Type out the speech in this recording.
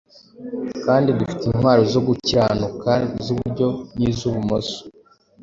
kandi dufite intwaro zo gukiranuka z’iburyo n’iz’ibumoso;